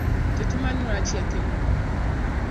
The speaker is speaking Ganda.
Tetumanyi lwaki yatemulwa.